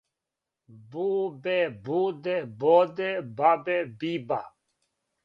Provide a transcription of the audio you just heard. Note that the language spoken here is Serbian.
бубе буде боде бабе биба